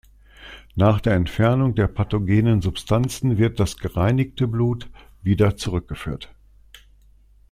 Nach der Entfernung der pathogenen Substanzen wird das „gereinigte“ Blut wieder zurückgeführt.